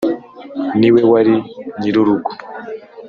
Ni we wari nyirurugo